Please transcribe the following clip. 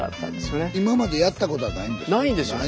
今までやったことはないんですか？